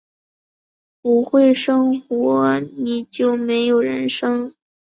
不会生活，你就没有人生